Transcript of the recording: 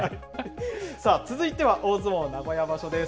さあ、続いては大相撲名古屋場所です。